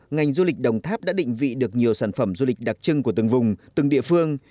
ngành du lịch đồng tháp đã định vị được nhiều sản phẩm du lịch đặc trưng của từng vùng từng địa phương